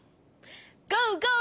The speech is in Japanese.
ゴーゴー！